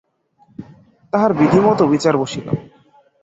তাহার বিধিমত বিচার বসিল।